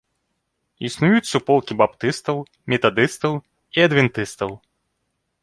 Існуюць суполкі баптыстаў, метадыстаў і адвентыстаў.